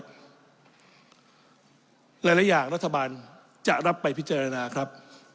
หลายอย่างรัฐบาลจะรับไปพิจารณาครับ